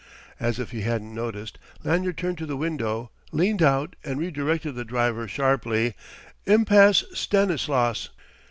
As if he hadn't noticed, Lanyard turned to the window, leaned out, and redirected the driver sharply: "Impasse Stanislas!"